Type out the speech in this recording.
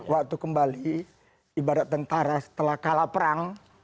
waktu kembali ibarat tentara setelah kalah perang